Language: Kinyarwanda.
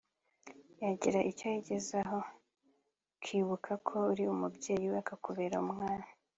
yagira icyo yigezaho ukibuka ko uri umubyeyi we akakubera umwana